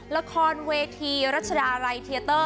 ละครเวทีรัชดาลัยเทียเตอร์